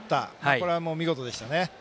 これはもう見事でしたね。